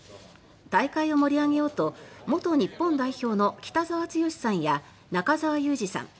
大会を盛り上げようと元日本代表の北澤豪さんや中澤佑二さん